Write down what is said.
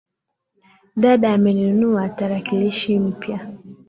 Dada amenunua tarakilishi mpya.